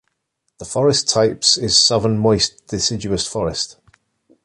The forest types is Southern moist deciduous forest.